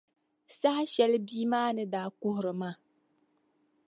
Saha shɛli bia maa ni daa kuhiri maa.